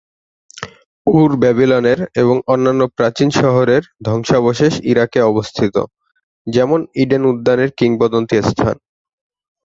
উর ব্যাবিলনের এবং অন্যান্য প্রাচীন শহরের ধ্বংসাবশেষ ইরাকে অবস্থিত, যেমন ইডেন উদ্যানের কিংবদন্তি স্থান।